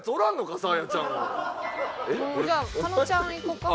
じゃあ加納ちゃんいこうか？